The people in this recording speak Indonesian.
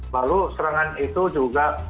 lalu serangan itu juga